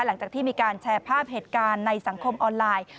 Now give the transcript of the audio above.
หลังจากที่มีการแชร์ภาพเหตุการณ์ในสังคมออนไลน์